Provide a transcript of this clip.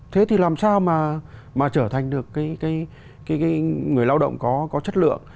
thế thì làm sao mà trở thành được người lao động có chất lượng